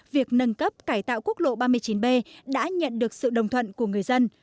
việc nâng cấp cải tạo quốc lộ ba mươi chín b đã nhận được sự đồng thuận của người dân